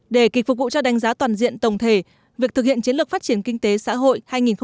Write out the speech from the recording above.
để kịp phục vụ cho đánh giá toàn diện tổng thể việc thực hiện chiến lược phát triển kinh tế xã hội hai nghìn một mươi hai hai nghìn ba mươi